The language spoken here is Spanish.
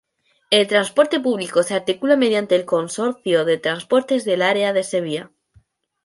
El transporte público se articula mediante el Consorcio de Transportes del Área de Sevilla.